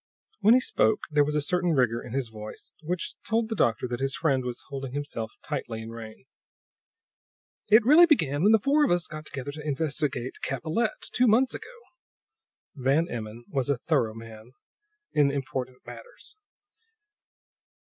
When he spoke there was a certain rigor in his voice, which told the doctor that his friend was holding himself tightly in rein. "It really began when the four of us got together to investigate Capellette, two months ago." Van Emmon was a thorough man in important matters.